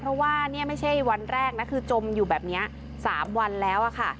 เพราะว่านี่ไม่ใช่วันแรกนะคือจมอยู่แบบนี้๓วันแล้วค่ะ